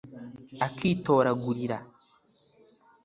Akitoragulira